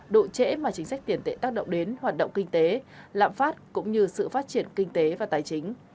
độ trễ mà chính sách tiền tệ tác động đến hoạt động kinh tế lạm phát cũng như sự phát triển kinh tế và tài chính